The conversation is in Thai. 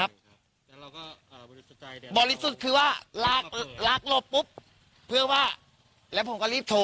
ครับบริสุทธิ์คือว่าลากลากลบปุ๊บเพื่อว่าแล้วผมก็รีบโทร